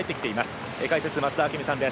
解説は増田明美さんです。